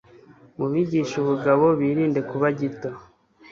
mubigishe ubugabo bilinde kuba gito